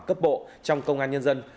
cấp bộ trong công an nhân dân